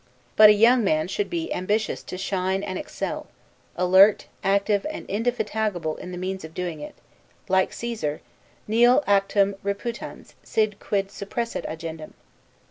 But a young man should be ambitious to shine, and excel; alert, active, and indefatigable in the means of doing it; and, like Caesar, 'Nil actum reputans, si quid superesset agendum.